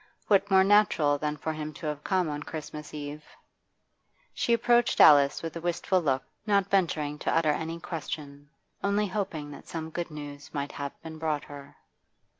What more natural than for him to have come on Christmas Eve? She approached Alice with a wistful look, not venturing to utter any question, only hoping that some good news might have been brought her.